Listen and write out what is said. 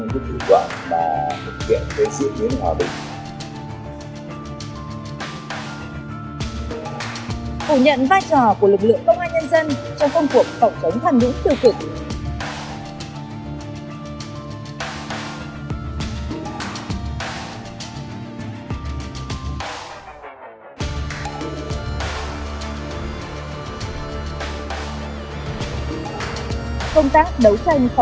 mục đích vi chính trị hóa lực lượng công an